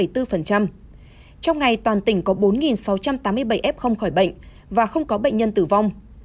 trong ngày toàn tỉnh có bốn sáu trăm tám mươi bảy f không khỏi bệnh và không có bệnh nhân tử vong